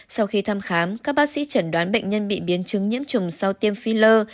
sau khi thăm khám các bác sĩ chẩn đoán bệnh nhân bị biến chứng nhiễm trùng sau tiêm filler